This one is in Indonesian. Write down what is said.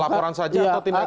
pelaporan saja atau tindakan